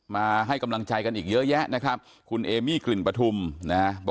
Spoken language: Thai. มาให้กำลังใจกันอีกเยอะแยะนะครับคุณเอมี่กลิ่นปฐุมนะฮะ